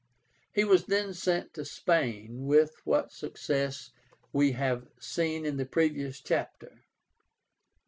He was then sent to Spain, with what success we have seen in the previous chapter.